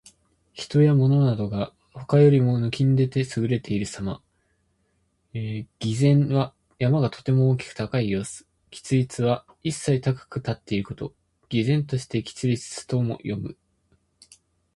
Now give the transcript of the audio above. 人や物などが、他よりも抜きん出て優れているさま。「巍然」は山がとても大きく高い様子。「屹立」は一際高く立っていること。「巍然として屹立す」とも読む。